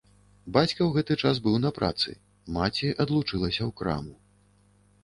Бацька ў гэты час быў на працы, маці адлучылася ў краму.